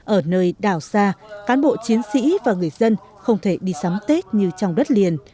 ở nơi đảo xa cán bộ chiến sĩ và người dân không thể đi sắm tết như trong đất liền